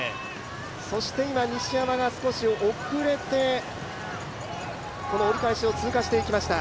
今、西山が少し遅れてこの折り返しを通過していきました。